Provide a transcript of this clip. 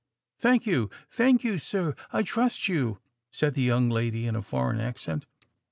"Thank you, thank you, sir; I trust you," said the young lady in a foreign accent.